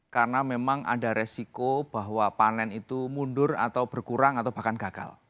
karena memang ada resiko bahwa panen itu mundur atau berkurang atau bahkan gagal